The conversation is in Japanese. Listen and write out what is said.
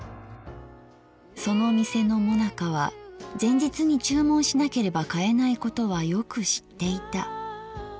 その店のもなかは前日に注文しなければ買えないことはよく知っていた。